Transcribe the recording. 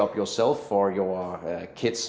anda harus memiliki pendidikan sekolah anak anak anda